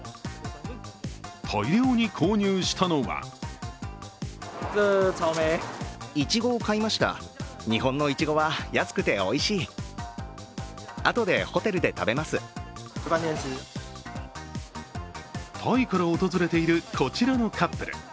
大量に購入したのはタイから訪れているこちらのカップル。